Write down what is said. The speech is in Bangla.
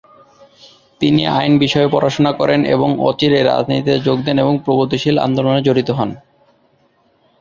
তিনি আইন বিষয়ে পড়াশোনা করেন এবং অচিরেই রাজনীতিতে যোগ দেন ও প্রগতিশীল আন্দোলনে জড়িত হন।